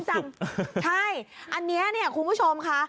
ใช่อันนี้เนี่ยคุณผู้ชมค่ะ